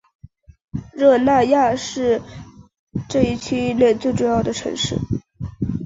热那亚是这一区域内最重要的城市。